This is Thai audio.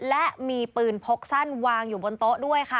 และมีปืนพกสั้นวางอยู่บนโต๊ะด้วยค่ะ